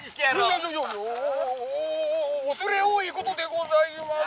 「いやいやいやお恐れ多いことでございます！」。